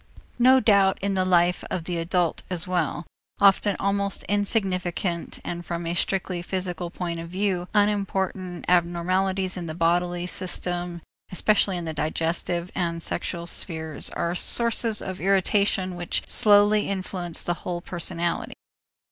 No doubt in the life of the adult as well, often almost insignificant and from a strictly physical point of view unimportant abnormities in the bodily system, especially in the digestive and sexual spheres, are sources of irritation which slowly influence the whole personality.